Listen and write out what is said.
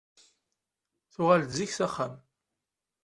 Tuɣal-d zik s axxam.